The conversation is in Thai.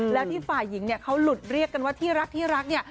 แล้วที่ฝ่ายหญิงเขาหลุดเรียกกันว่าที่รักนี่